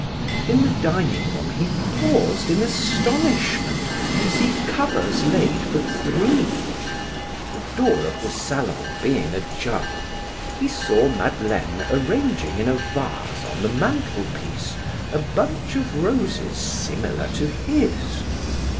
In the dining room he paused in astonishment to see covers laid for three: the door of the salon being ajar, he saw Madeleine arranging in a vase on the mantelpiece a bunch of roses similar to his.